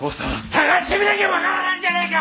捜してみなきゃ分からないじゃないか！